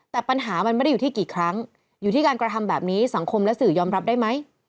แต่ปัญหามันไม่ได้อยู่ที่กี่ครั้งอยู่ที่การกระทำแบบนี้สังคมและสื่อยอมรับได้ไหม